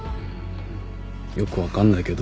よくわかんないけど。